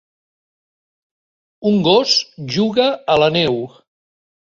Un gos juga a la neu.